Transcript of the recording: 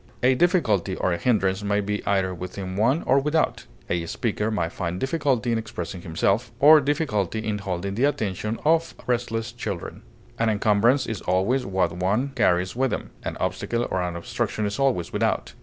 A difficulty or a hindrance may be either within one or without; a speaker may find difficulty in expressing himself, or difficulty in holding the attention of restless children. An encumbrance is always what one carries with him; an obstacle or an obstruction is always without.